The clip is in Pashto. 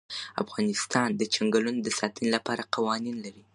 افغانستان د چنګلونه د ساتنې لپاره قوانین لري.